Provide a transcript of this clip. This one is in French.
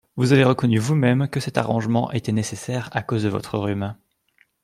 Vous avez reconnu vous-même que cet arrangement était nécessaire… à cause de votre rhume…